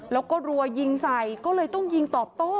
แล้วก็รัวยิงใส่ก็เลยต้องยิงตอบโต้